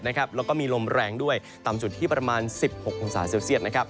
แล้วก็มีลมแรงด้วยต่ำสุดที่ประมาณ๑๖องศาเซลเซียต